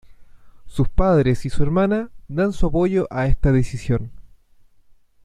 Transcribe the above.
Sus padres y su hermana dan su apoyo a esta decisión.